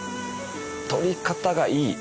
撮り方がいい。